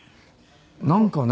なんかね。